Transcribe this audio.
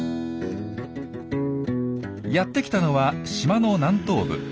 やってきたのは島の南東部。